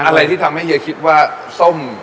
อะไรที่ทำให้เฮียคิดว่าส้ม